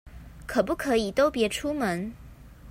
可不可以都別出門